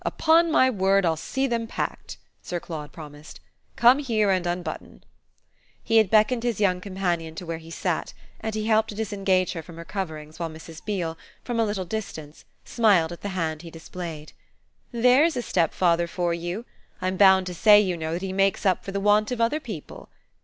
Upon my word I'll see them packed!" Sir Claude promised. "Come here and unbutton." He had beckoned his young companion to where he sat, and he helped to disengage her from her coverings while Mrs. Beale, from a little distance, smiled at the hand he displayed. "There's a stepfather for you! I'm bound to say, you know, that he makes up for the want of other people."